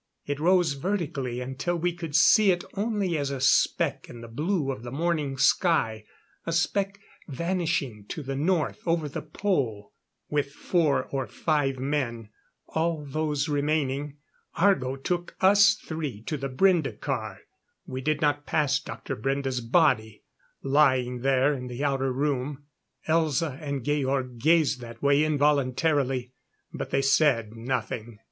It rose vertically until we could see it only as a speck in the blue of the morning sky a speck vanishing to the north over the Pole. With four or five of the men all those remaining Argo took us three to the Brende car. We did not pass Dr. Brende's body, lying there in the outer room. Elza and Georg gazed that way involuntarily; but they said nothing.